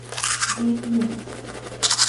یہ پیو